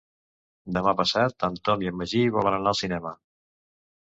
Demà passat en Tom i en Magí volen anar al cinema.